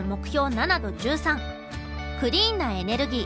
７と１３クリーンなエネルギー。